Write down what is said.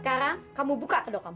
sekarang kamu buka kedokonganmu